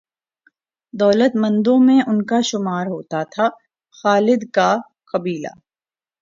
دولت مندوں میں ان کا شمار ہوتا تھا۔ خالد کا قبیلہ